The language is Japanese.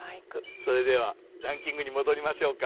それではランキングに戻りましょうか。